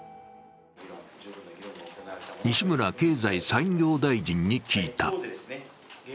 西村経済産業大臣に聞いた。